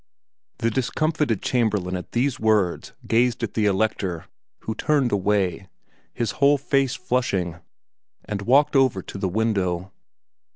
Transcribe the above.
The discomfited Chamberlain at these words gazed at the Elector, who turned away, his whole face flushing, and walked over to the window.